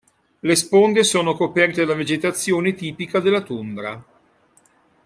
Le sponde sono coperte da vegetazione tipica della tundra.